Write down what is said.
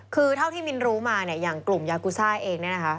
คือเท่าที่มินรู้มาเนี่ยอย่างกลุ่มยากูซ่าเองเนี่ยนะคะ